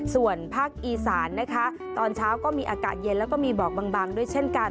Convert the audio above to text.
ส่วนภาคอีสานนะคะตอนเช้าก็มีอากาศเย็นแล้วก็มีหมอกบางด้วยเช่นกัน